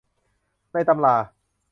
ในตำรา